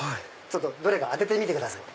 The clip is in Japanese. どれか当ててみてください。